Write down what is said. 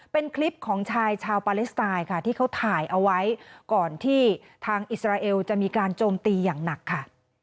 เป็นคลิปของชายชาวปาเลสไตน์ค่ะที่เขาถ่ายเอาไว้ก่อนที่ทางอิสราเอลจะมีการโจมตีอย่างหนักค่ะ